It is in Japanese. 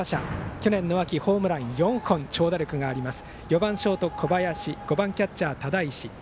去年秋、ホームラン４本と長打力があります。